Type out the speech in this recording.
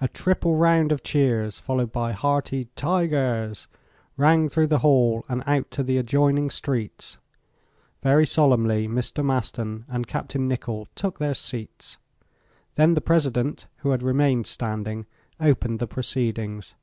A triple round of cheers, followed by hearty "tigers," rang through the hall and out to the adjoining streets. Very solemnly Mr. Maston and Capt. Nicholl took their seats. Then the President, who had remained standing, opened the proceedings.